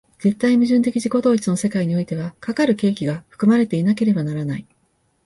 絶対矛盾的自己同一の世界においては、かかる契機が含まれていなければならない。